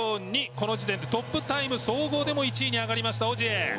この時点でトップタイム総合でも１位に上がりましたオジエ。